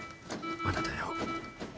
まだだよ。